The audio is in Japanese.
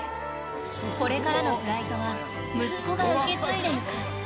これからのフライトは息子が受け継いでいく。